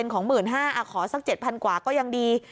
๕๐ของ๑๕๐๐๐บาทขอสัก๗๐๐๐บาทก็ยังดี